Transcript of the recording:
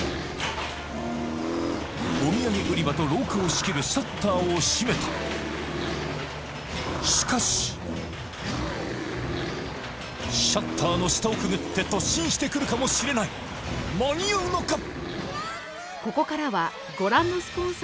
お土産売り場と廊下を仕切るシャッターを閉めたしかしシャッターの下をくぐって突進してくるかもしれない間に合うのか！？